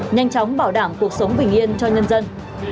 nhanh chóng bảo đảm cuộc sống bình yên cho nhân dân